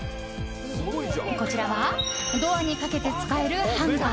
こちらはドアに掛けて使えるハンガー。